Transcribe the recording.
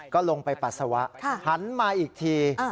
ก็ลงไปปัสสาวะหันมาอีกที